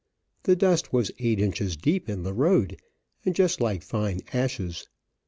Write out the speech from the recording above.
The dust was eight inches deep in the road, and just like fine ashes.